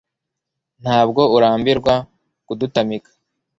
ntabwo urambirwa kudutamika